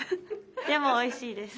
でもおいしいです。